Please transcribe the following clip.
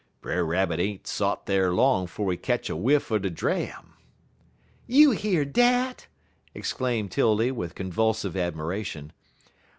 "Brer Rabbit ain't sot dar long 'fo' he ketch a whiff er de dram " "You year dat?" exclaimed 'Tildy, with convulsive admiration.